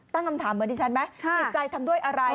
ตั้งคำถามเหมือนดิฉันไหมจิตใจทำด้วยอะไร